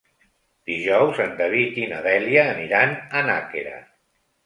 Dijous en David i na Dèlia aniran a Nàquera.